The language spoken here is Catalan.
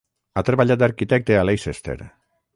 Ha treballat d'arquitecte a Leicester.